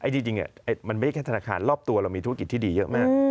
จริงมันไม่ใช่แค่ธนาคารรอบตัวเรามีธุรกิจที่ดีเยอะมาก